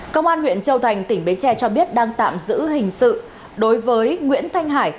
công an huyện châu thành tỉnh bến tre cho biết đang tạm giữ hình sự đối với nguyễn thanh hải